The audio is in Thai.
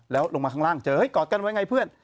แล้วลงมาข้างล่างเจอเฮ้กอดกันไว้ไงเพื่อน